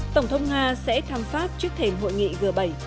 tổng thống nga sẽ tham phát trước thềm hội nghị g bảy